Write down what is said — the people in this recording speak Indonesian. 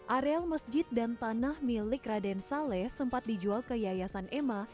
areal masjid dan tanah milik raden saleh sempat dijual ke yayasan emma